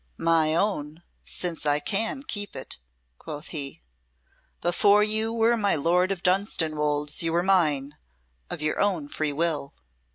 "My own, since I can keep it," quoth he. "Before you were my Lord of Dunstanwolde's you were mine of your own free will."